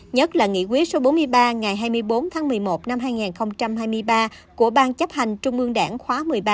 nhất là nghị quyết số bốn mươi ba ngày hai mươi bốn tháng một mươi một năm hai nghìn hai mươi ba của ban chấp hành trung ương đảng khóa một mươi ba